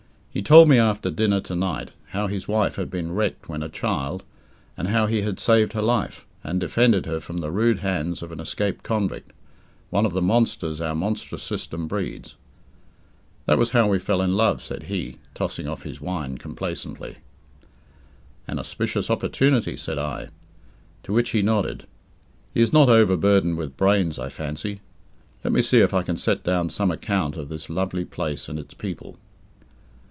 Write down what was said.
He told me after dinner to night how his wife had been wrecked when a child, and how he had saved her life, and defended her from the rude hands of an escaped convict one of the monsters our monstrous system breeds. "That was how we fell in love," said he, tossing off his wine complacently. "An auspicious opportunity," said I. To which he nodded. He is not overburdened with brains, I fancy. Let me see if I can set down some account of this lovely place and its people.